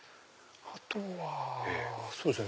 あとはそうですね。